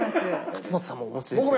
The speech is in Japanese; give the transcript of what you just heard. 勝俣さんもお持ちですよね。